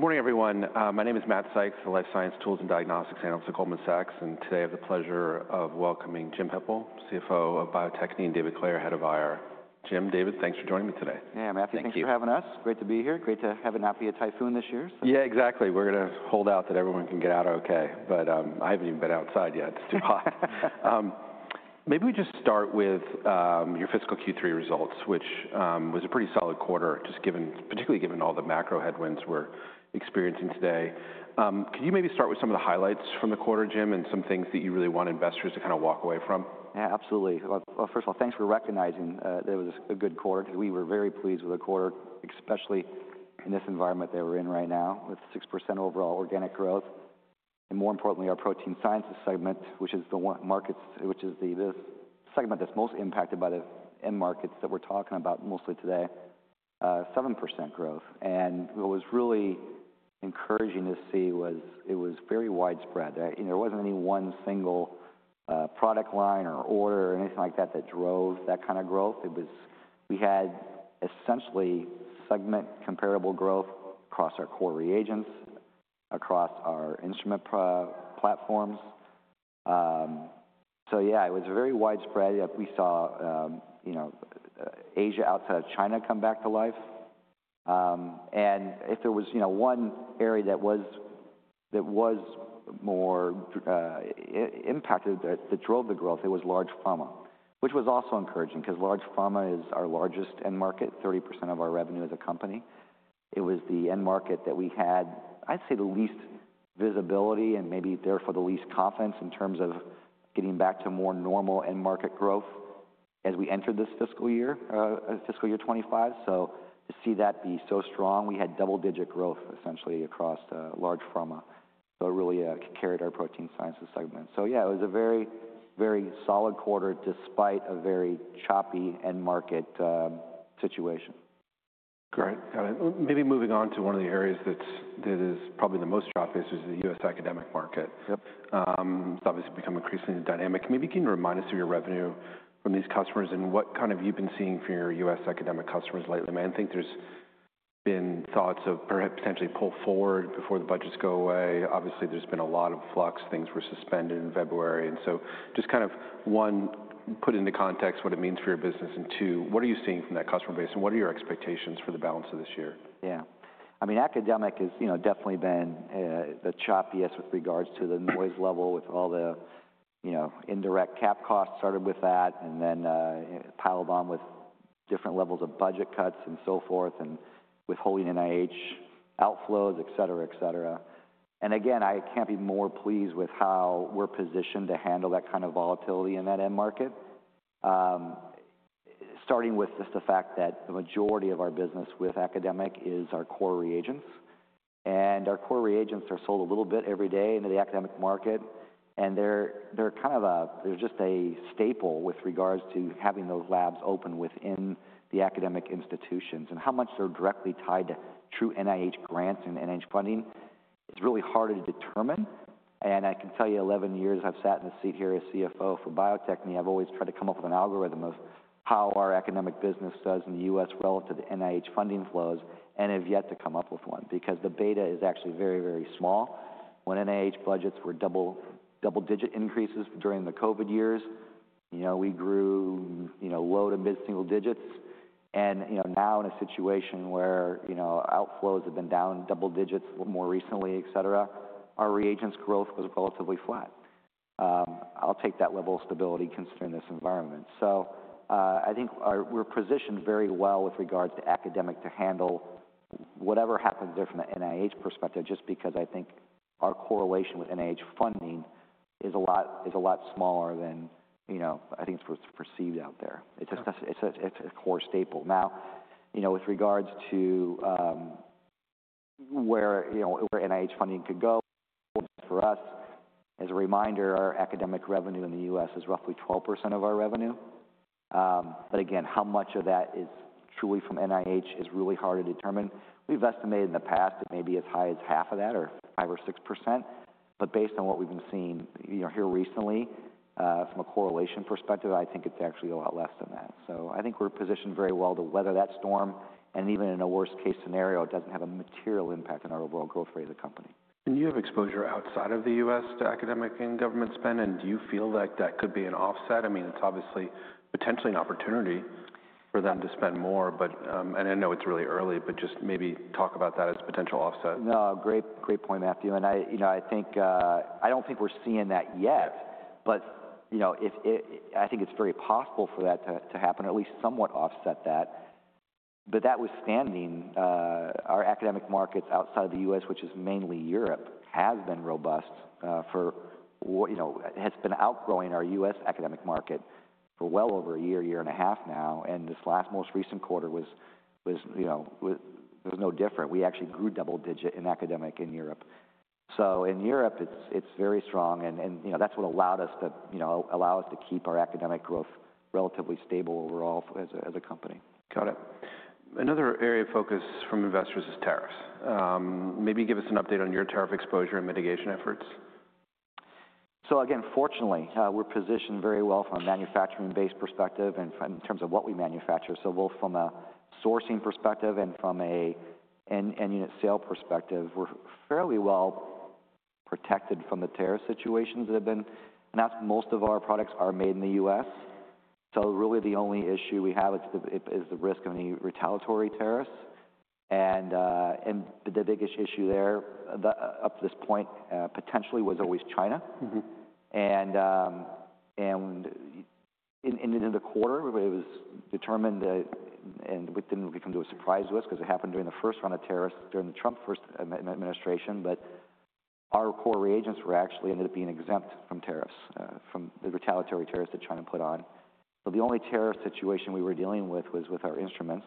Good morning, everyone. My name is Matt Sykes, the Life Science Tools and Diagnostics Analyst at Goldman Sachs. Today I have the pleasure of welcoming Jim Hippel, CFO of Bio-Techne, and David Clair, Head of IR. Jim, David, thanks for joining me today. Yeah, Matt, thanks for having us. Great to be here. Great to have an app via typhoon this year. Yeah, exactly. We're going to hold out that everyone can get out okay. I haven't even been outside yet. It's too hot. Maybe we just start with your fiscal Q3 results, which was a pretty solid quarter, particularly given all the macro headwinds we're experiencing today. Could you maybe start with some of the highlights from the quarter, Jim, and some things that you really want investors to kind of walk away from? Yeah, absolutely. First of all, thanks for recognizing that it was a good quarter. We were very pleased with the quarter, especially in this environment that we are in right now, with 6% overall organic growth. More importantly, our protein sciences segment, which is the segment that is most impacted by the end markets that we are talking about mostly today, 7% growth. What was really encouraging to see was it was very widespread. There was not any one single product line or order or anything like that that drove that kind of growth. We had essentially segment-comparable growth across our core reagents, across our instrument platforms. Yeah, it was very widespread. We saw Asia outside of China come back to life. If there was one area that was more impacted that drove the growth, it was large pharma, which was also encouraging because large pharma is our largest end market, 30% of our revenue as a company. It was the end market that we had, I'd say, the least visibility and maybe therefore the least confidence in terms of getting back to more normal end market growth as we entered this fiscal year, fiscal year 2025. To see that be so strong, we had double-digit growth essentially across large pharma. It really carried our protein sciences segment. Yeah, it was a very, very solid quarter despite a very choppy end market situation. Great. Got it. Maybe moving on to one of the areas that is probably the most choppy is the US academic market. It's obviously become increasingly dynamic. Maybe you can remind us of your revenue from these customers and what kind of you've been seeing for your U.S. academic customers lately. I think there's been thoughts of potentially pulling forward before the budgets go away. Obviously, there's been a lot of flux. Things were suspended in February. Just kind of one, put into context what it means for your business. Two, what are you seeing from that customer base? What are your expectations for the balance of this year? Yeah. I mean, academic has definitely been the choppiest with regards to the noise level with all the indirect cap costs started with that, and then piled on with different levels of budget cuts and so forth, and withholding NIH outflows, et cetera, et cetera. Again, I can't be more pleased with how we're positioned to handle that kind of volatility in that end market, starting with just the fact that the majority of our business with academic is our core reagents. Our core reagents are sold a little bit every day into the academic market. They're kind of a, they're just a staple with regards to having those labs open within the academic institutions. How much they're directly tied to true NIH grants and NIH funding is really hard to determine. I can tell you, 11 years I've sat in the seat here as CFO for Bio-Techne, I've always tried to come up with an algorithm of how our academic business does in the US relative to NIH funding flows, and have yet to come up with one because the beta is actually very, very small. When NIH budgets were double-digit increases during the COVID years, we grew low to mid-single digits. Now in a situation where outflows have been down double digits more recently, et cetera, our reagents growth was relatively flat. I'll take that level of stability considering this environment. I think we're positioned very well with regards to academic to handle whatever happens there from the NIH perspective, just because I think our correlation with NIH funding is a lot smaller than I think it's perceived out there. It's a core staple. Now, with regards to where NIH funding could go, for us, as a reminder, our academic revenue in the U.S. is roughly 12% of our revenue. Again, how much of that is truly from NIH is really hard to determine. We've estimated in the past it may be as high as half of that or 5% or 6%. Based on what we've been seeing here recently, from a correlation perspective, I think it's actually a lot less than that. I think we're positioned very well to weather that storm. Even in a worst-case scenario, it doesn't have a material impact on our overall growth rate as a company. You have exposure outside of the U.S. to academic and government spend. Do you feel like that could be an offset? I mean, it's obviously potentially an opportunity for them to spend more. I know it's really early, but just maybe talk about that as a potential offset. No, great point, Matthew. I think I don't think we're seeing that yet. I think it's very possible for that to happen, at least somewhat offset that. That withstanding, our academic markets outside of the U.S., which is mainly Europe, have been robust, have been outgrowing our U.S. academic market for well over a year, year and a half now. This last most recent quarter was no different. We actually grew double-digit in academic in Europe. In Europe, it's very strong. That's what allowed us to keep our academic growth relatively stable overall as a company. Got it. Another area of focus from investors is tariffs. Maybe give us an update on your tariff exposure and mitigation efforts. Again, fortunately, we're positioned very well from a manufacturing-based perspective and in terms of what we manufacture. Both from a sourcing perspective and from an end-unit sale perspective, we're fairly well protected from the tariff situations that have been. That's most of our products are made in the U.S. Really the only issue we have is the risk of any retaliatory tariffs. The biggest issue there up to this point potentially was always China. In the quarter, it was determined that, and it did not come as a surprise to us because it happened during the first round of tariffs during the Trump administration, our core reagents actually ended up being exempt from tariffs, from the retaliatory tariffs that China put on. The only tariff situation we were dealing with was with our instruments.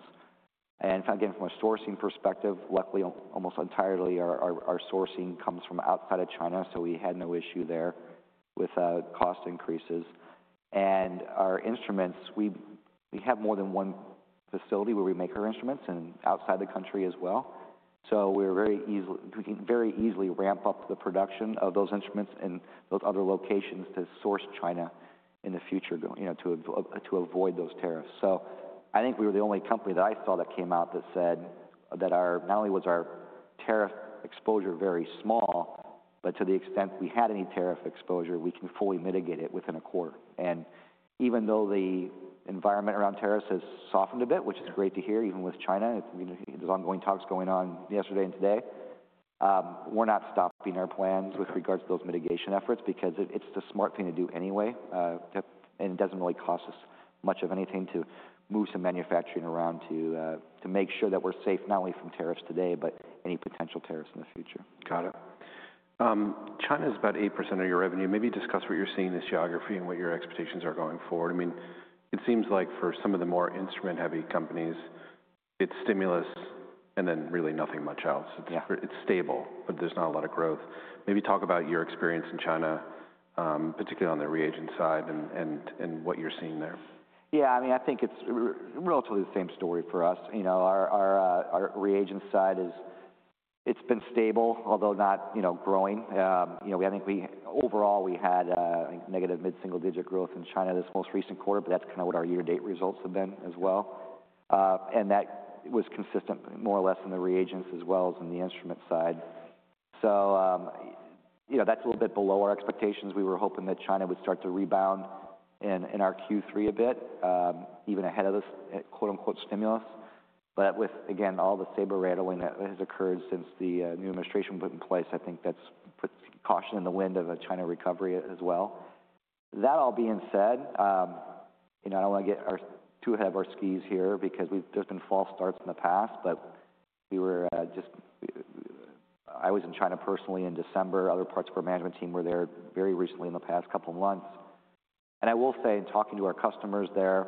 From a sourcing perspective, luckily almost entirely our sourcing comes from outside of China. We had no issue there with cost increases. Our instruments, we have more than one facility where we make our instruments and outside the country as well. We were very easily able to ramp up the production of those instruments in those other locations to source China in the future to avoid those tariffs. I think we were the only company that I saw that came out that said that not only was our tariff exposure very small, but to the extent we had any tariff exposure, we can fully mitigate it within a quarter. Even though the environment around tariffs has softened a bit, which is great to hear, even with China, there are ongoing talks going on yesterday and today. We are not stopping our plans with regards to those mitigation efforts because it is the smart thing to do anyway. It does not really cost us much of anything to move some manufacturing around to make sure that we are safe not only from tariffs today, but any potential tariffs in the future. Got it. China is about 8% of your revenue. Maybe discuss what you're seeing in this geography and what your expectations are going forward. I mean, it seems like for some of the more instrument-heavy companies, it's stimulus and then really nothing much else. It's stable, but there's not a lot of growth. Maybe talk about your experience in China, particularly on the reagent side and what you're seeing there. Yeah, I mean, I think it's relatively the same story for us. Our reagent side is, it's been stable, although not growing. I think overall we had negative mid-single digit growth in China this most recent quarter, but that's kind of what our year-to-date results have been as well. That was consistent more or less in the reagents as well as in the instrument side. That's a little bit below our expectations. We were hoping that China would start to rebound in our Q3 a bit, even ahead of this "stimulus." With, again, all the saber rattling that has occurred since the new administration put in place, I think that's put caution in the wind of a China recovery as well. That all being said, I don't want to get too ahead of our skis here because there's been false starts in the past. I was in China personally in December. Other parts of our management team were there very recently in the past couple of months. I will say in talking to our customers there,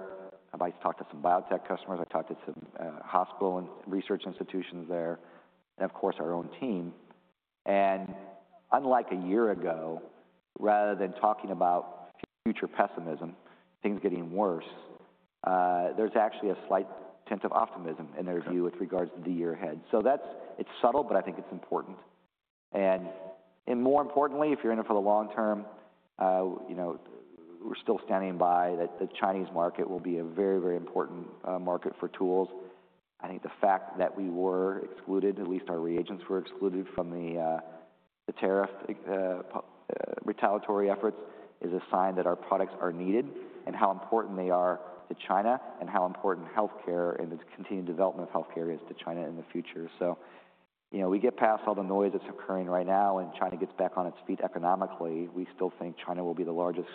I have talked to some biotech customers. I talked to some hospital and research institutions there, and of course our own team. Unlike a year ago, rather than talking about future pessimism, things getting worse, there is actually a slight tent of optimism in their view with regards to the year ahead. It is subtle, but I think it is important. More importantly, if you are in it for the long term, we are still standing by that the Chinese market will be a very, very important market for tools. I think the fact that we were excluded, at least our reagents were excluded from the tariff retaliatory efforts, is a sign that our products are needed and how important they are to China and how important healthcare and the continued development of healthcare is to China in the future. We get past all the noise that is occurring right now and China gets back on its feet economically, we still think China will be the largest,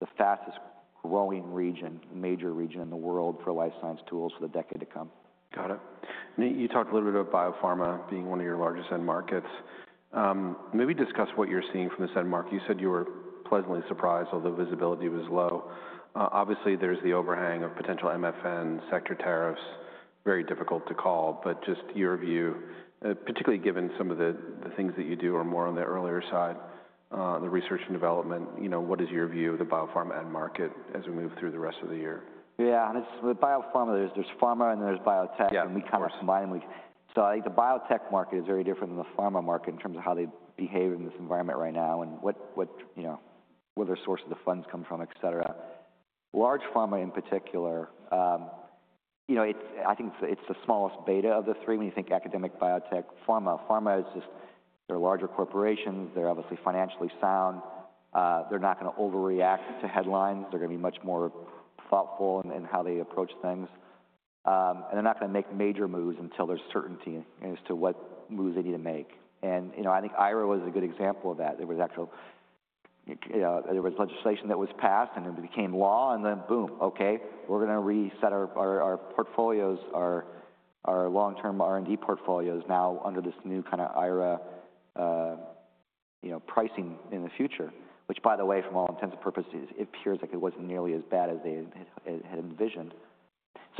the fastest growing region, major region in the world for life science tools for the decade to come. Got it. You talked a little bit about BioPharma being one of your largest end markets. Maybe discuss what you're seeing from this end market. You said you were pleasantly surprised, although visibility was low. Obviously, there's the overhang of potential MFN sector tariffs, very difficult to call, but just your view, particularly given some of the things that you do are more on the earlier side, the research and development, what is your view of the biopharma end market as we move through the rest of the year? Yeah, with BioPharma, there's Pharma and there's biotech and we kind of combine them. I think the biotech market is very different than the Pharma market in terms of how they behave in this environment right now and where their sources of funds come from, et cetera. Large Pharma in particular, I think it's the smallest beta of the three when you think academic, biotech, Pharma. Pharma is just, they're larger corporations. They're obviously financially sound. They're not going to overreact to headlines. They're going to be much more thoughtful in how they approach things. They're not going to make major moves until there's certainty as to what moves they need to make. I think IRA was a good example of that. There was actual, there was legislation that was passed and it became law and then boom, okay, we're going to reset our portfolios, our long-term R&D portfolios now under this new kind of IRA pricing in the future, which by the way, from all intents and purposes, it appears like it was not nearly as bad as they had envisioned.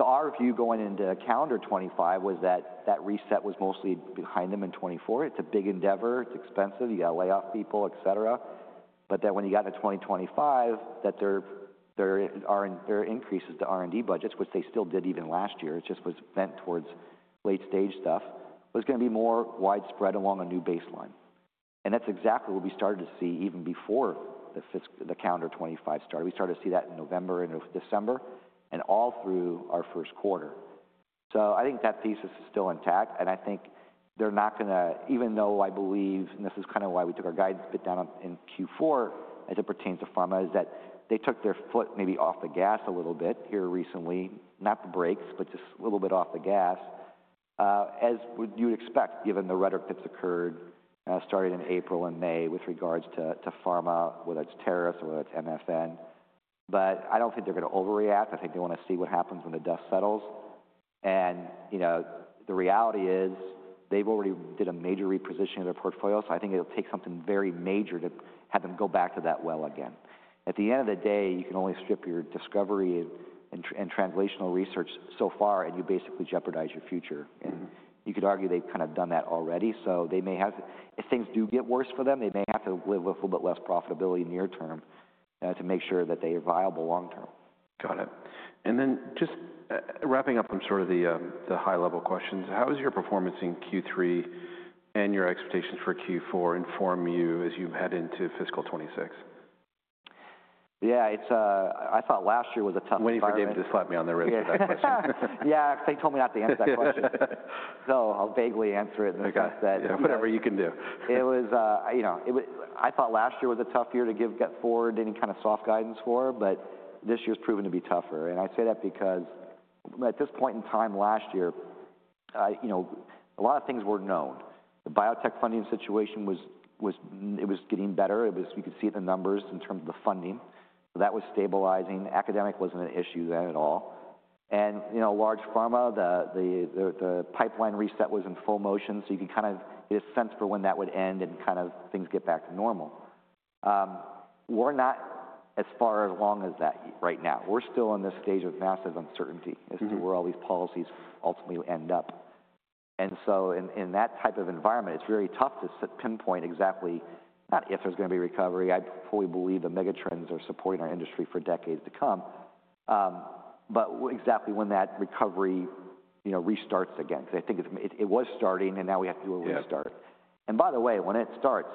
Our view going into calendar 2025 was that that reset was mostly behind them in 2024. It is a big endeavor. It is expensive. You got to lay off people, et cetera. When you got to 2025, their increases to R&D budgets, which they still did even last year, it just was bent towards late-stage stuff, was going to be more widespread along a new baseline. That is exactly what we started to see even before the calendar 2025 started. We started to see that in November and December and all through our first quarter. I think that thesis is still intact. I think they're not going to, even though I believe, and this is kind of why we took our guidance bit down in Q4 as it pertains to pharma, is that they took their foot maybe off the gas a little bit here recently, not the brakes, but just a little bit off the gas, as you would expect given the rhetoric that's occurred started in April and May with regards to pharma, whether it's tariffs or whether it's MFN. I do not think they're going to overreact. I think they want to see what happens when the dust settles. The reality is they've already did a major repositioning of their portfolio. I think it'll take something very major to have them go back to that well again. At the end of the day, you can only strip your discovery and translational research so far, and you basically jeopardize your future. You could argue they've kind of done that already. They may have, if things do get worse for them, they may have to live with a little bit less profitability near term to make sure that they are viable long term. Got it. And then just wrapping up on sort of the high-level questions, how has your performance in Q3 and your expectations for Q4 informed you as you head into fiscal 2026? Yeah, I thought last year was a tough year. When you gave me the slap me on the rib for that question. Yeah, because they told me not to answer that question. So I'll vaguely answer it in the sense that. Whatever you can do. It was, I thought last year was a tough year to give get forward any kind of soft guidance for, but this year has proven to be tougher. I say that because at this point in time last year, a lot of things were known. The biotech funding situation was getting better. You could see it in the numbers in terms of the funding. That was stabilizing. Academic was not an issue then at all. Large Pharma, the pipeline reset was in full motion. You could kind of get a sense for when that would end and kind of things get back to normal. We're not as far along as that right now. We're still in this stage of massive uncertainty as to where all these policies ultimately will end up. In that type of environment, it's very tough to pinpoint exactly not if there's going to be recovery. I fully believe the megatrends are supporting our industry for decades to come. Exactly when that recovery restarts again, because I think it was starting and now we have to do a restart. By the way, when it starts,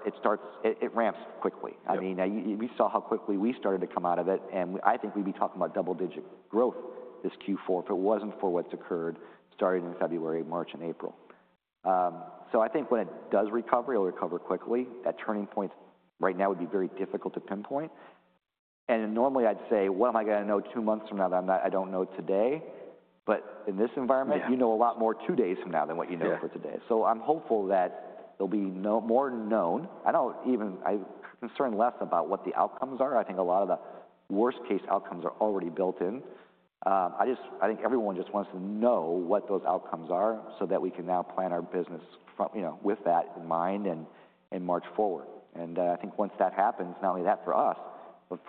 it ramps quickly. I mean, we saw how quickly we started to come out of it. I think we'd be talking about double-digit growth this Q4 if it wasn't for what's occurred starting in February, March, and April. I think when it does recover, it'll recover quickly. That turning point right now would be very difficult to pinpoint. Normally I'd say, what am I going to know two months from now that I don't know today? In this environment, you know a lot more two days from now than what you know for today. I'm hopeful that there'll be more known. I do not even, I'm concerned less about what the outcomes are. I think a lot of the worst-case outcomes are already built in. I think everyone just wants to know what those outcomes are so that we can now plan our business with that in mind and march forward. I think once that happens, not only that for us, but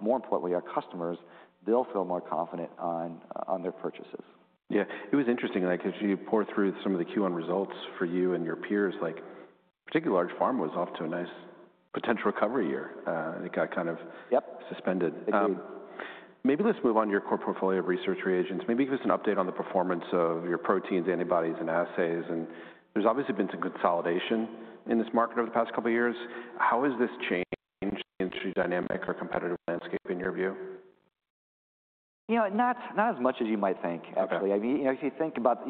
more importantly, our customers, they'll feel more confident on their purchases. Yeah. It was interesting because you pour through some of the Q1 results for you and your peers. Particularly large pharma was off to a nice potential recovery year. It got kind of suspended. Maybe let's move on to your core portfolio of research reagents. Maybe give us an update on the performance of your proteins, antibodies, and assays. There's obviously been some consolidation in this market over the past couple of years. How has this changed the industry dynamic or competitive landscape in your view? Not as much as you might think, actually. If you think about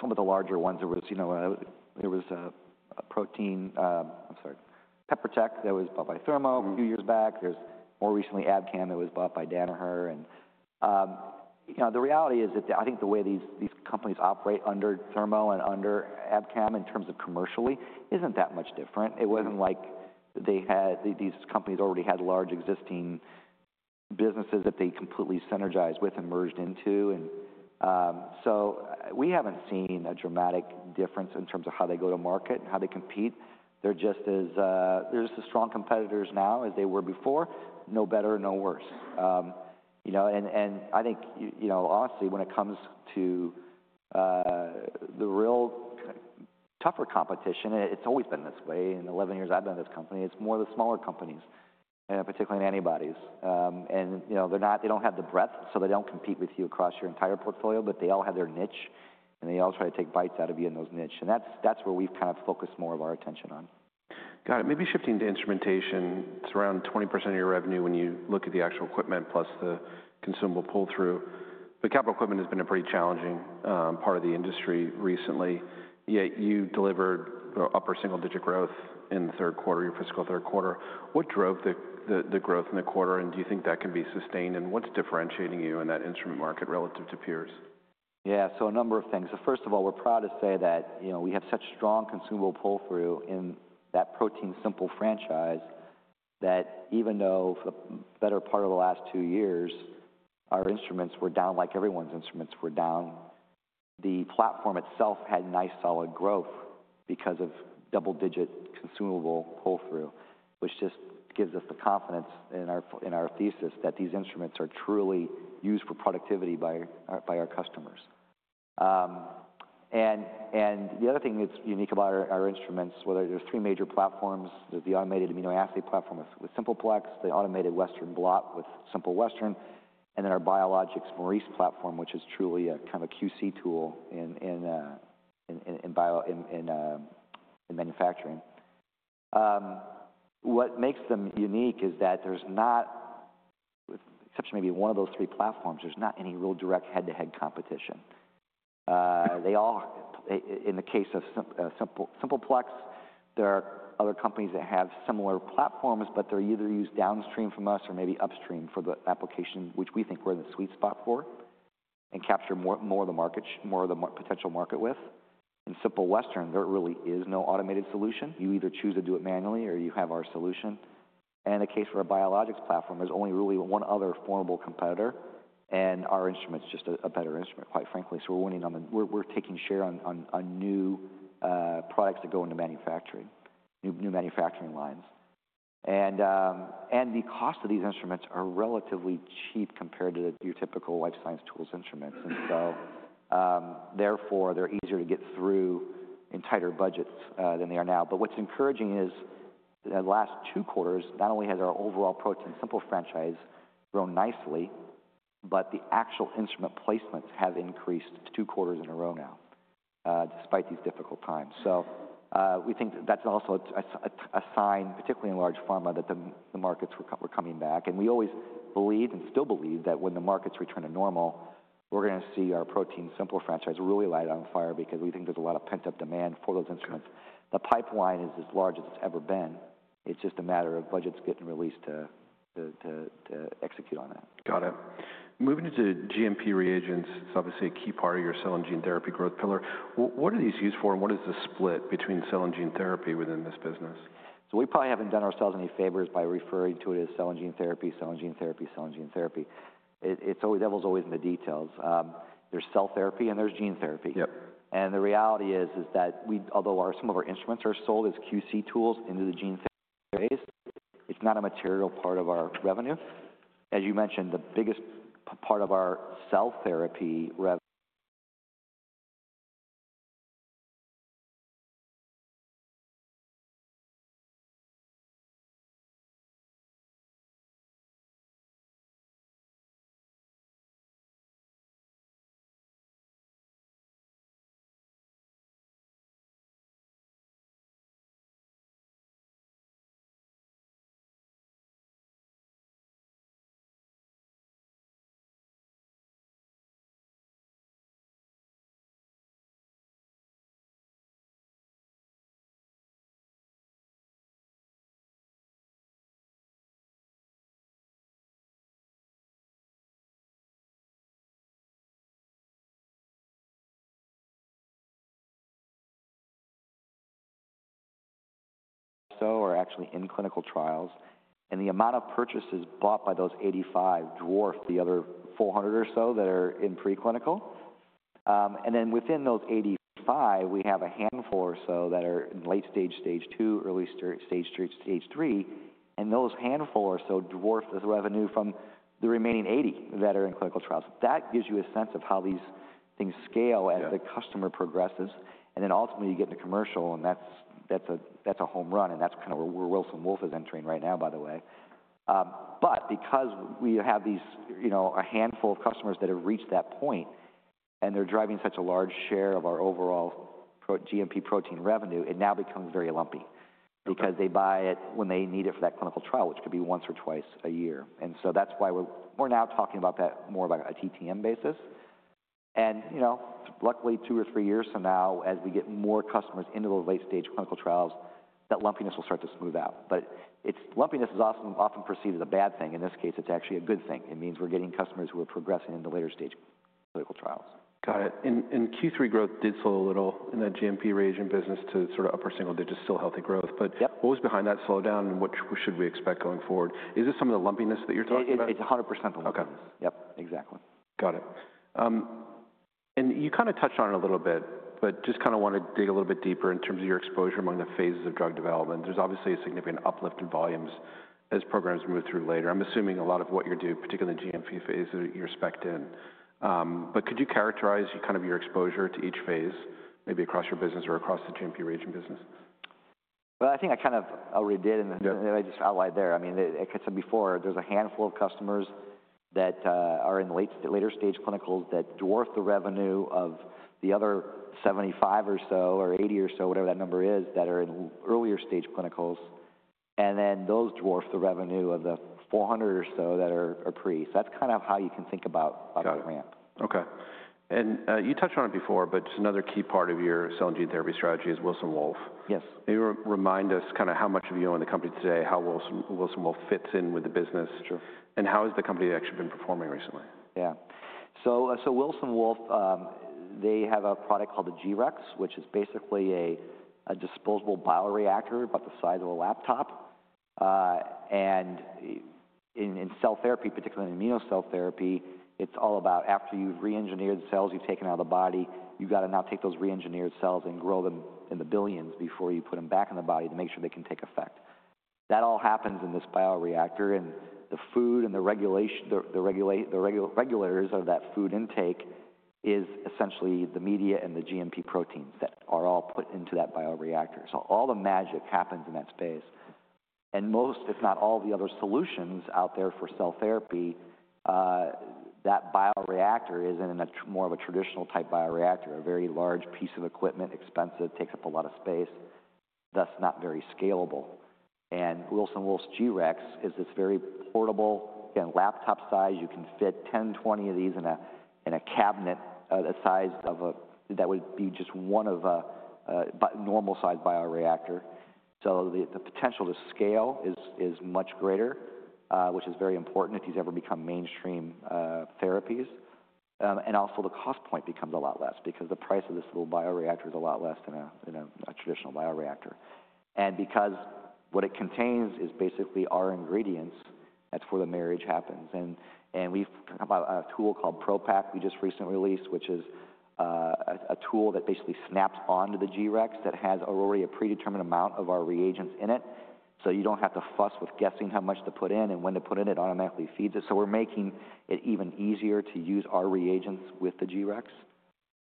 some of the larger ones, there was a protein, I'm sorry, Peppertech that was bought by Thermo a few years back. There's more recently Abcam that was bought by Danaher. The reality is that I think the way these companies operate under Thermo and under Abcam in terms of commercially isn't that much different. It wasn't like these companies already had large existing businesses that they completely synergized with and merged into. We haven't seen a dramatic difference in terms of how they go to market and how they compete. They're just as, they're just as strong competitors now as they were before, no better, no worse. I think honestly, when it comes to the real tougher competition, it's always been this way. In the 11 years I've been at this company, it's more of the smaller companies, particularly in antibodies. They don't have the breadth, so they don't compete with you across your entire portfolio, but they all have their niche and they all try to take bites out of you in those niche. That's where we've kind of focused more of our attention on. Got it. Maybe shifting to instrumentation, it's around 20% of your revenue when you look at the actual equipment plus the consumable pull-through. Capital equipment has been a pretty challenging part of the industry recently. Yet you delivered upper single-digit growth in the third quarter, your fiscal third quarter. What drove the growth in the quarter? Do you think that can be sustained? What's differentiating you in that instrument market relative to peers? Yeah, so a number of things. First of all, we're proud to say that we have such strong consumable pull-through in that protein simple franchise that even though for the better part of the last two years, our instruments were down, like everyone's instruments were down, the platform itself had nice solid growth because of double-digit consumable pull-through, which just gives us the confidence in our thesis that these instruments are truly used for productivity by our customers. The other thing that's unique about our instruments, whether there's three major platforms, there's the automated immunoassay platform with Simple Plex, the automated Western blot with Simple Western, and then our Biologics Maurice platform, which is truly a kind of a QC tool in manufacturing. What makes them unique is that there's not, with the exception of maybe one of those three platforms, there's not any real direct head-to-head competition. In the case of Simple Plex, there are other companies that have similar platforms, but they're either used downstream from us or maybe upstream for the application, which we think we're in the sweet spot for and capture more of the market, more of the potential market with. In Simple Western, there really is no automated solution. You either choose to do it manually or you have our solution. In the case of our Biologics platform, there's only really one other formable competitor. Our instrument's just a better instrument, quite frankly. We're winning on the, we're taking share on new products that go into manufacturing, new manufacturing lines. The cost of these instruments are relatively cheap compared to your typical life science tools instruments. Therefore, they're easier to get through in tighter budgets than they are now. What's encouraging is the last two quarters, not only has our overall ProteinSimple franchise grown nicely, but the actual instrument placements have increased two quarters in a row now, despite these difficult times. We think that's also a sign, particularly in large pharma, that the markets are coming back. We always believed and still believe that when the markets return to normal, we're going to see our ProteinSimple franchise really light on fire because we think there's a lot of pent-up demand for those instruments. The pipeline is as large as it's ever been. It's just a matter of budgets getting released to execute on that. Got it. Moving to GMP reagents, it's obviously a key part of your cell and gene therapy growth pillar. What are these used for and what is the split between cell and gene therapy within this business? We probably haven't done ourselves any favors by referring to it as cell and gene therapy, cell and gene therapy, cell and gene therapy. The devil's always in the details. There's cell therapy and there's gene therapy. The reality is that although some of our instruments are sold as QC tools into the gene therapy space, it's not a material part of our revenue. As you mentioned, the biggest part of our cell therapy revenue, or so, are actually in clinical trials. The amount of purchases bought by those 85 dwarf the other 400 or so that are in preclinical. Within those 85, we have a handful or so that are in late stage, stage two, early stage, stage three. Those handful or so dwarf the revenue from the remaining 80 that are in clinical trials. That gives you a sense of how these things scale as the customer progresses. Ultimately you get into commercial and that's a home run. That's kind of where Wilson Wolf is entering right now, by the way. Because we have a handful of customers that have reached that point and they're driving such a large share of our overall GMP protein revenue, it now becomes very lumpy because they buy it when they need it for that clinical trial, which could be once or twice a year. That's why we're now talking about that more of a TTM basis. Luckily, two or three years from now, as we get more customers into those late stage clinical trials, that lumpiness will start to smooth out. Lumpiness is often perceived as a bad thing. In this case, it's actually a good thing. It means we're getting customers who are progressing into later stage clinical trials. Got it. Q3 growth did slow a little in that GMP reagent business to sort of upper single digits, still healthy growth. What was behind that slowdown and what should we expect going forward? Is this some of the lumpiness that you're talking about? It's 100% the lumpiness. Yep, exactly. Got it. You kind of touched on it a little bit, but just kind of want to dig a little bit deeper in terms of your exposure among the phases of drug development. There's obviously a significant uplift in volumes as programs move through later. I'm assuming a lot of what you're doing, particularly in the GMP phase, you're specked in. Could you characterize kind of your exposure to each phase, maybe across your business or across the GMP reagent business? I think I kind of already did and I just outlined there. I mean, like I said before, there's a handful of customers that are in later stage clinicals that dwarf the revenue of the other 75 or so or 80 or so, whatever that number is, that are in earlier stage clinicals. And then those dwarf the revenue of the 400 or so that are pre. That is kind of how you can think about the ramp. Okay. You touched on it before, but just another key part of your cell and gene therapy strategy is Wilson Wolf. Yes. Maybe remind us kind of how much of you are in the company today, how Wilson Wolf fits in with the business, and how has the company actually been performing recently? Yeah. Wilson Wolf, they have a product called the G-Rex, which is basically a disposable bioreactor about the size of a laptop. In cell therapy, particularly in immunocell therapy, it's all about after you've re-engineered the cells, you've taken out of the body, you've got to now take those re-engineered cells and grow them in the billions before you put them back in the body to make sure they can take effect. That all happens in this bioreactor. The food and the regulators of that food intake is essentially the media and the GMP proteins that are all put into that bioreactor. All the magic happens in that space. Most, if not all, the other solutions out there for cell therapy, that bioreactor is in more of a traditional type bioreactor, a very large piece of equipment, expensive, takes up a lot of space, thus not very scalable. Wilson Wolf's G-Rex is this very portable, again, laptop size. You can fit 10-20 of these in a cabinet the size of what would be just one of a normal size bioreactor. The potential to scale is much greater, which is very important if these ever become mainstream therapies. Also, the cost point becomes a lot less because the price of this little bioreactor is a lot less than a traditional bioreactor. Because what it contains is basically our ingredients, that's where the marriage happens. We've come up with a tool called ProPak we just recently released, which is a tool that basically snaps onto the G-Rex that has already a predetermined amount of our reagents in it. You don't have to fuss with guessing how much to put in and when to put in. It automatically feeds it. We're making it even easier to use our reagents with the G-Rex.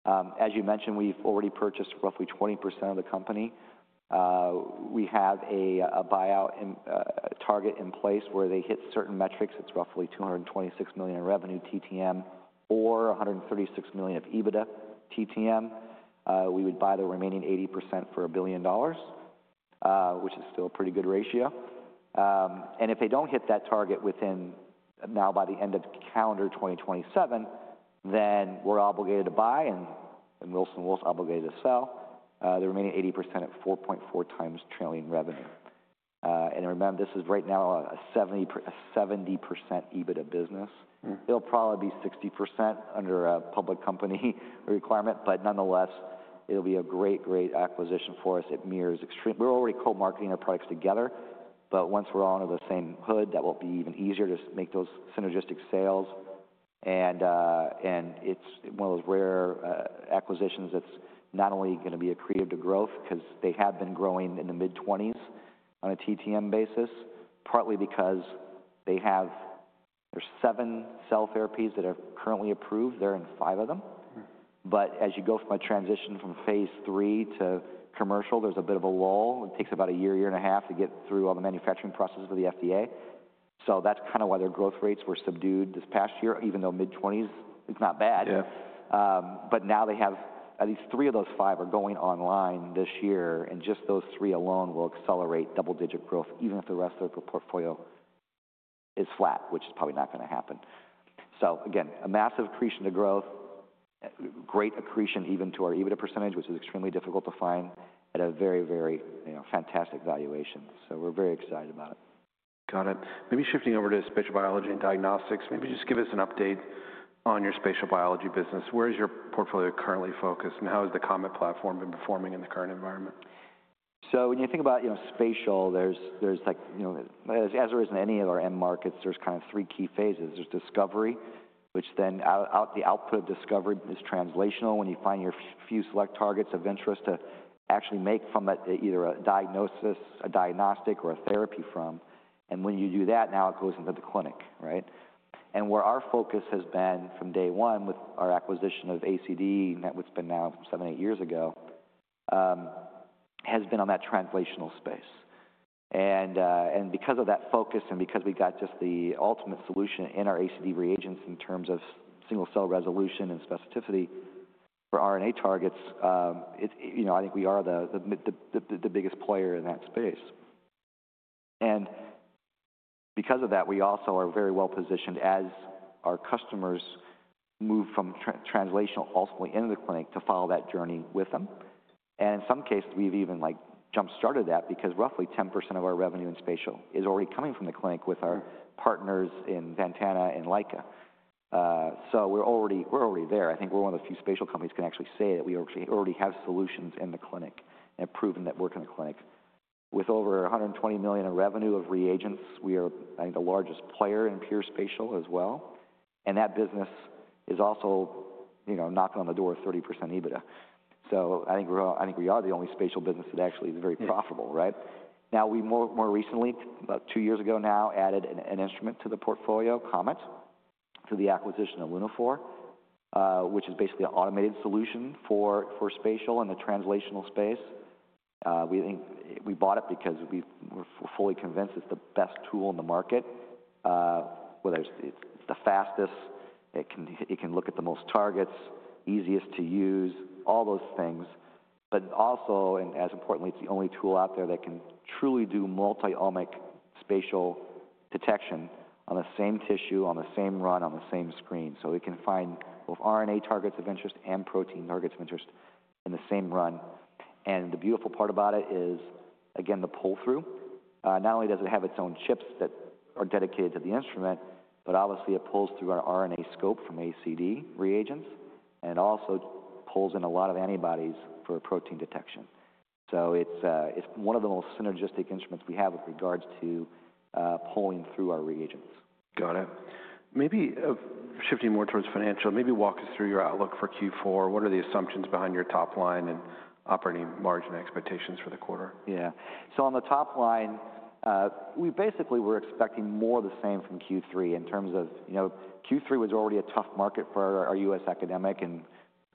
As you mentioned, we've already purchased roughly 20% of the company. We have a buyout target in place where they hit certain metrics. It's roughly $226 million in revenue TTM or $136 million of EBITDA TTM. We would buy the remaining 80% for $1 billion, which is still a pretty good ratio. If they do not hit that target within now by the end of calendar 2027, then we are obligated to buy and Wilson Wolf is obligated to sell the remaining 80% at 4.4 times trailing revenue. Remember, this is right now a 70% EBITDA business. It will probably be 60% under a public company requirement, but nonetheless, it will be a great, great acquisition for us. It mirrors extremely, we are already co-marketing our products together, but once we are all under the same hood, that will be even easier to make those synergistic sales. It is one of those rare acquisitions that is not only going to be accretive to growth because they have been growing in the mid-20s on a TTM basis, partly because they have their seven cell therapies that are currently approved. They are in five of them. As you go from a transition from phase three to commercial, there's a bit of a lull. It takes about a year, year and a half to get through all the manufacturing processes with the FDA. That is kind of why their growth rates were subdued this past year, even though mid-20s is not bad. Now they have at least three of those five going online this year. Just those three alone will accelerate double-digit growth, even if the rest of the portfolio is flat, which is probably not going to happen. Again, a massive accretion to growth, great accretion even to our EBITDA percentage, which is extremely difficult to find at a very, very fantastic valuation. We are very excited about it. Got it. Maybe shifting over to spatial biology and diagnostics, maybe just give us an update on your spatial biology business. Where is your portfolio currently focused? How has the Comet platform been performing in the current environment? When you think about spatial, as there is in any of our end markets, there are kind of three key phases. There is discovery, which then the output of discovery is translational when you find your few select targets of interest to actually make from it either a diagnosis, a diagnostic, or a therapy from. When you do that, now it goes into the clinic, right? Where our focus has been from day one with our acquisition of ACD, which has been now seven, eight years ago, has been on that translational space. Because of that focus and because we got just the ultimate solution in our ACD reagents in terms of single cell resolution and specificity for RNA targets, I think we are the biggest player in that space. Because of that, we also are very well positioned as our customers move from translational ultimately into the clinic to follow that journey with them. In some cases, we've even jump-started that because roughly 10% of our revenue in spatial is already coming from the clinic with our partners in Ventana and Leica. We are already there. I think we're one of the few spatial companies that can actually say that we already have solutions in the clinic and have proven that work in the clinic. With over $120 million in revenue of reagents, we are, I think, the largest player in pure spatial as well. That business is also knocking on the door of 30% EBITDA. I think we are the only spatial business that actually is very profitable, right? Now, we more recently, about two years ago now, added an instrument to the portfolio, Comet, through the acquisition of Lunaphore, which is basically an automated solution for spatial in the translational space. We bought it because we're fully convinced it's the best tool in the market, whether it's the fastest, it can look at the most targets, easiest to use, all those things. Also, and as importantly, it's the only tool out there that can truly do multi-omic spatial detection on the same tissue, on the same run, on the same screen. It can find both RNA targets of interest and protein targets of interest in the same run. The beautiful part about it is, again, the pull-through. Not only does it have its own chips that are dedicated to the instrument, but obviously it pulls through our RNAscope from ACD reagents. It also pulls in a lot of antibodies for protein detection. It is one of the most synergistic instruments we have with regards to pulling through our reagents. Got it. Maybe shifting more towards financial, maybe walk us through your outlook for Q4. What are the assumptions behind your top line and operating margin expectations for the quarter? Yeah. On the top line, we basically were expecting more of the same from Q3 in terms of Q3 was already a tough market for our US academic, and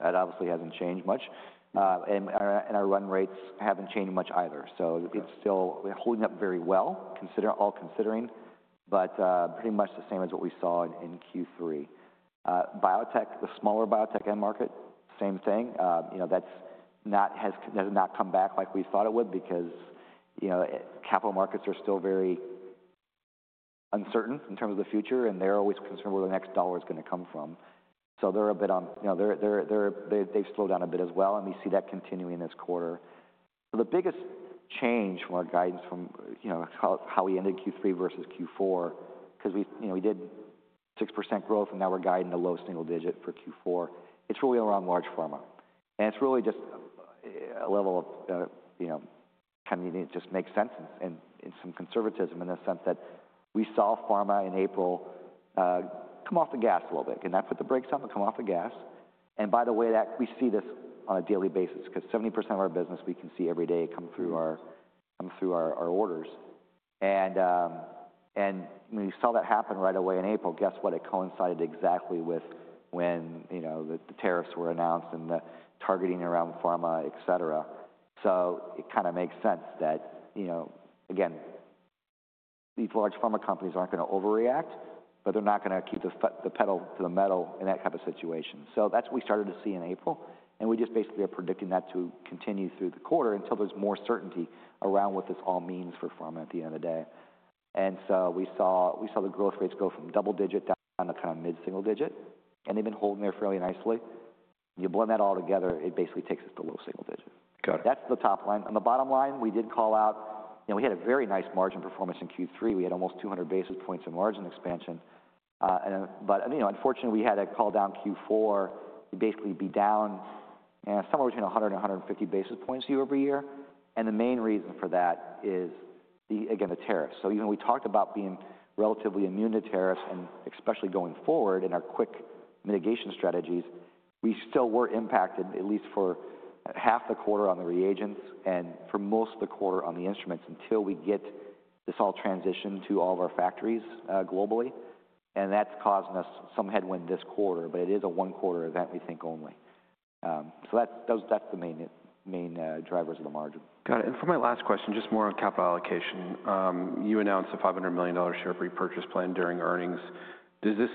that obviously has not changed much. Our run rates have not changed much either. It is still holding up very well, all considering, but pretty much the same as what we saw in Q3. Biotech, the smaller biotech end market, same thing. That has not come back like we thought it would because capital markets are still very uncertain in terms of the future, and they are always concerned where the next dollar is going to come from. They are a bit on, they have slowed down a bit as well, and we see that continuing this quarter. The biggest change from our guidance from how we ended Q3 versus Q4, because we did 6% growth and now we're guiding the low single digit for Q4, it's really around large pharma. It's really just a level of kind of needing to just make sense and some conservatism in the sense that we saw pharma in April come off the gas a little bit. That put the brakes on to come off the gas. By the way, we see this on a daily basis because 70% of our business, we can see every day come through our orders. When we saw that happen right away in April, guess what? It coincided exactly with when the tariffs were announced and the targeting around pharma, etc. It kind of makes sense that, again, these large pharma companies aren't going to overreact, but they're not going to keep the pedal to the metal in that type of situation. That's what we started to see in April. We just basically are predicting that to continue through the quarter until there's more certainty around what this all means for pharma at the end of the day. We saw the growth rates go from double digit down to kind of mid-single digit, and they've been holding there fairly nicely. You blend that all together, it basically takes us to low single digit. That's the top line. On the bottom line, we did call out, we had a very nice margin performance in Q3. We had almost 200 basis points of margin expansion. Unfortunately, we had a call down Q4, basically be down somewhere between 100 and 150 basis points year over year. The main reason for that is, again, the tariffs. Even though we talked about being relatively immune to tariffs and especially going forward in our quick mitigation strategies, we still were impacted at least for half the quarter on the reagents and for most of the quarter on the instruments until we get this all transitioned to all of our factories globally. That has caused us some headwind this quarter, but it is a one-quarter event, we think only. That is the main drivers of the margin. Got it. For my last question, just more on capital allocation. You announced a $500 million share repurchase plan during earnings. Does this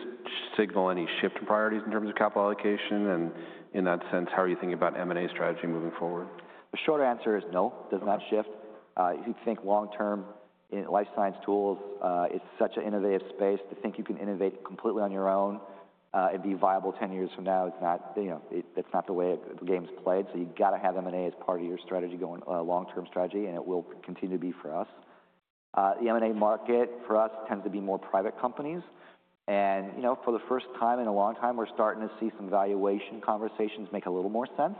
signal any shift in priorities in terms of capital allocation? In that sense, how are you thinking about M&A strategy moving forward? The short answer is no, does not shift. If you think long-term in life science tools, it's such an innovative space to think you can innovate completely on your own and be viable 10 years from now, that's not the way the game's played. You have to have M&A as part of your strategy, long-term strategy, and it will continue to be for us. The M&A market for us tends to be more private companies. For the first time in a long time, we're starting to see some valuation conversations make a little more sense.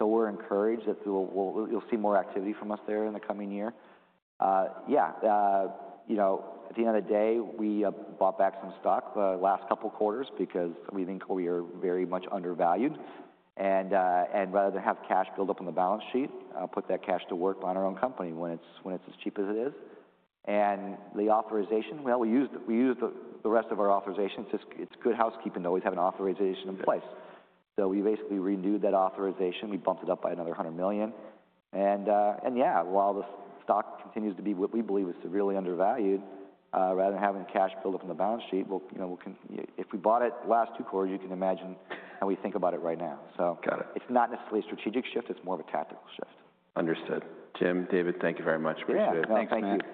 We are encouraged that you'll see more activity from us there in the coming year. At the end of the day, we bought back some stock the last couple of quarters because we think we are very much undervalued. Rather than have cash build up on the balance sheet, put that cash to work on our own company when it's as cheap as it is. The authorization, we used the rest of our authorization. It's good housekeeping to always have an authorization in place. We basically renewed that authorization. We bumped it up by another $100 million. Yeah, while the stock continues to be what we believe is severely undervalued, rather than having cash build up on the balance sheet, if we bought it last two quarters, you can imagine how we think about it right now. It's not necessarily a strategic shift. It's more of a tactical shift. Understood. Jim, David, thank you very much. Appreciate it. Yeah, thanks.